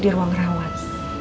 di ruang rawat